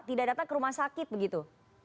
tidak datang ke rumah sakit begitu